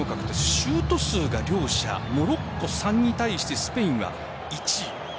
シュート数が両者モロッコ、３に対してスペインは１。